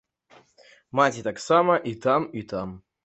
Маці таксама і там, і там.